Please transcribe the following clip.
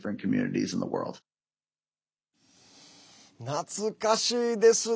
懐かしいですね。